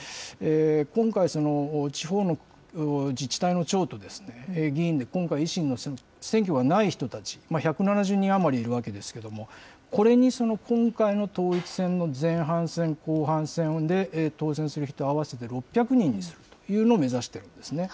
今回、地方の自治体の長と議員で、今回、維新の選挙がない人たち、１７０人余りいるわけですけども、これに今回の統一選の前半戦、後半戦で、当選する人、合わせて６００人にするというのを目指しているんですね。